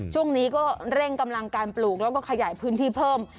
ช่วงนี้ก็เร่งกำลังการปลูกแล้วก็ขยายพื้นที่เพิ่ม